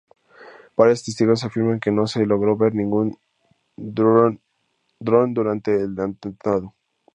Varios testigos afirman que no se logró ver ningún dron durante el atentado.